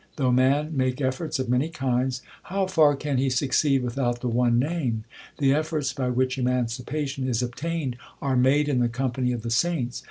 Though man make efforts of many kinds, How far can he succeed without the one Name ? The efforts by which emancipation is obtained, Are made in the company of the saints.